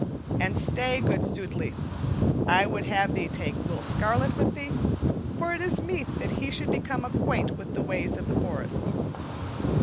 And stay, good Stutely. I would have thee take Will Scarlet with thee, for it is meet that he should become acquaint with the ways of the forest."